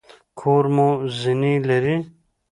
کور مو زینې لري؟